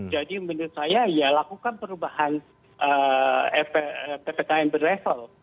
jadi menurut saya lakukan perubahan ppkm berlevel